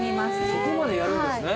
そこまでやるんですね。